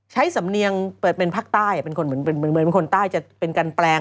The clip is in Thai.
ใช้สำเนียงเปิดเป็นภาคใต้เป็นคนใต้จะเป็นการแปลง